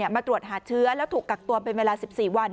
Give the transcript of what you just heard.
มาตรวจหาเชื้อแล้วถูกกักตัวเป็นเวลา๑๔วัน